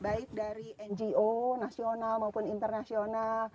baik dari ngo nasional maupun internasional